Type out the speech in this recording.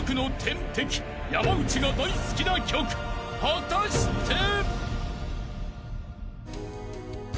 ［果たして？］